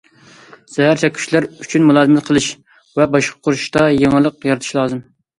زەھەر چەككۈچىلەر ئۈچۈن مۇلازىمەت قىلىش ۋە باشقۇرۇشتا يېڭىلىق يارىتىش لازىم.